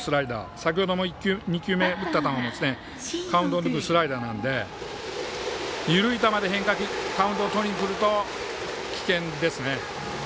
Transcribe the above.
先ほども２球目打った球もカウントをとりにくるスライダーなので緩い球でカウントをとりにくると危険ですね。